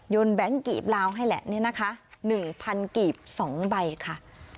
ยนต์แบ๊งกลีบราวแหละนี่นะคะหนึ่งพันกลีบสองใบค่ะ